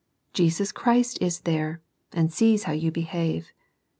Jesus Christ is there, and sees how you behave.